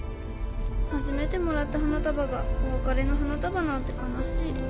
初めてもらった花束がお別れの花束なんて悲しい。